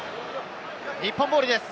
日本ボールです。